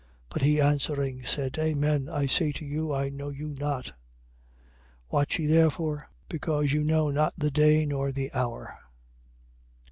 25:12. But he answering said: Amen I say to you, I know you not. 25:13. Watch ye therefore, because you know not the day nor the hour.